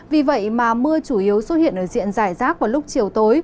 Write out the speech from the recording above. vì vậy mà mưa chủ yếu xuất hiện ở diện giải rác vào lúc chiều tối